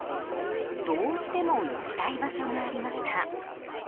どうしても行きたい場所がありました。